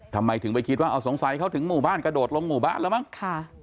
ทำไมถึงไปคิดว่าเอาสงสัยเขาถึงหมู่บ้านกระโดดลงหมู่บ้านแล้วมั้งค่ะ